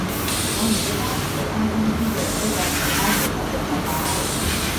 我唔記得你啱啱先進入呢個社交媒體嘅世界